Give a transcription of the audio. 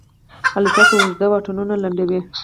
الوتکه اوږده واټنونه لنډوي.